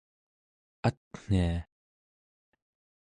atnia